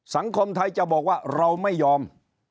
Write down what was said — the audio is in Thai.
สังคมไทยจะบอกว่าเราไม่ยอม